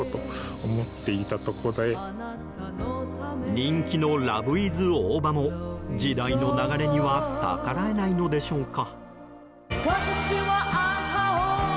人気の「らぶいず大葉」も時代の流れには逆らえないのでしょうか。